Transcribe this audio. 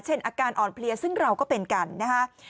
อาการอ่อนเพลียซึ่งเราก็เป็นกันนะฮะ